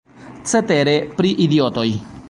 Cetere, pri idiotoj.